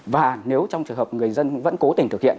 và nếu trong trường hợp người dân vẫn cố tình thực hiện